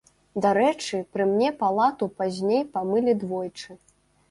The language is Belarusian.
Дарэчы, пры мне палату пазней памылі двойчы.